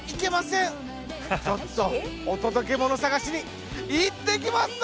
ちょっとお届けモノ探しに行ってきますわ！